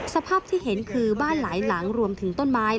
สภาพที่เห็นคือบ้านหลายหลังรวมถึงต้นไม้